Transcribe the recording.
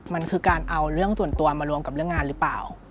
มันคือการเอาเรื่องส่วนตัวมารวมกับเรื่องงานหรือเปล่า